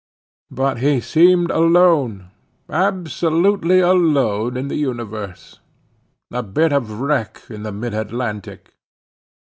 But he seemed alone, absolutely alone in the universe. A bit of wreck in the mid Atlantic.